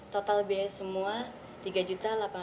total biaya semua rp tiga delapan ratus